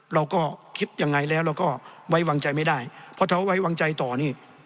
เราก็คิดยังไงแล้วเราก็ไว้วางใจไม่ได้เพราะถ้าไว้วางใจต่อนี่